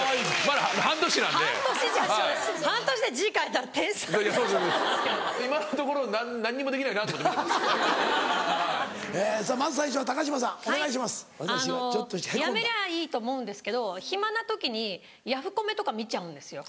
あのやめりゃいいと思うんですけど暇な時にヤフコメとか見ちゃうんですよ。